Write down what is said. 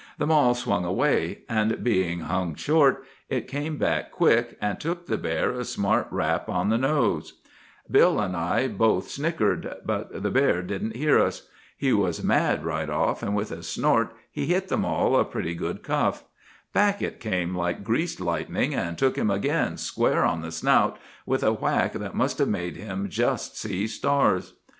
The mall swung away; and being hung short, it came back quick, and took the bear a smart rap on the nose. [Illustration: Bruin's Boxing Match.—Page 335.] "'Bill and I both snickered, but the bear didn't hear us. He was mad right off, and with a snort he hit the mall a pretty good cuff; back it came like greased lightning, and took him again square on the snout with a whack that must have made him just see stars.